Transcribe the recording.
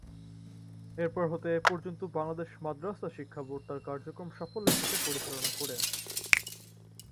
এরপর হতে এ পর্যন্ত বাংলাদেশ মাদ্রাসা শিক্ষা বোর্ড তার কার্যক্রম সাফল্যের সাথে পরিচালনা করে আসছে।